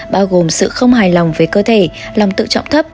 bao gồm sự không hài lòng với cơ thể lòng tự trọng thấp